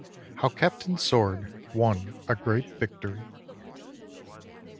HOW CAPTAIN SWORD WON A GREAT VICTORY.